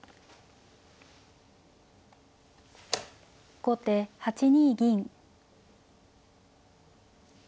後手８二銀。